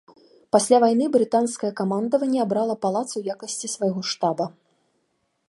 Пасля вайны брытанскае камандаванне абрала палац у якасці свайго штаба.